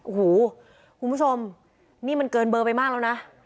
โอ้โหคุณผู้ชมนี่มันเกินเบอร์ไปมากแล้วนะ